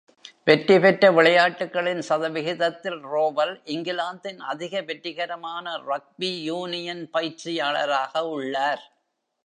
வெற்றி பெற்ற விளையாட்டுகளின் சதவிகிதத்தில் ரோவல் இங்கிலாந்தின் அதிக வெற்றிகரமான ரக்பி யூனியன் பயிற்சியாளராக உள்ளார்.